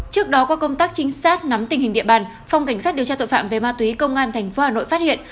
trước đó qua công tác trinh sát nắm tình hình địa bàn phòng cảnh sát điều tra tội phạm về ma túy công an tp hà nội phát hiện